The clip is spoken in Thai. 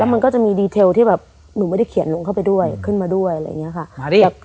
แล้วมันก็จะมีรายละเอียดที่หนูไม่ได้เขียนลงเข้าไปด้วยขึ้นมาด้วยอะไรอย่างนี้ค่ะ